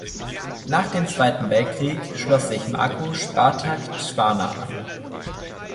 Nach dem Zweiten Weltkrieg schloss sich Marko Spartak Trnava an.